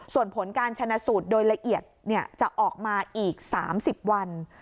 ส่วนผลการชนะสูตรโดยละเอียดจะออกมาอีก๓๐วัน